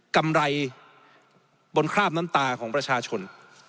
กำไรบนคราบน้ำตาของประชาชน